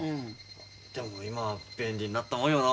でも今は便利になったもんよのう。